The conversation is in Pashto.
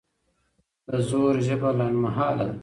د زور ژبه لنډمهاله ده